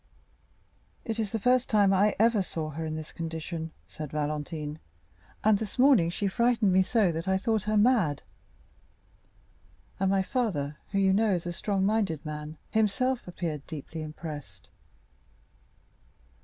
"It is the first time I ever saw her in this condition," said Valentine; "and this morning she frightened me so that I thought her mad; and my father, who you know is a strong minded man, himself appeared deeply impressed."